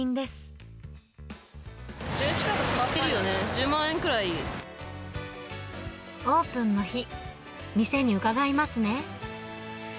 いってるよね、１０万円くらオープンの日、店に伺いますね。